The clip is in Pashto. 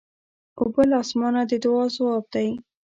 اوبه له اسمانه د دعا ځواب دی.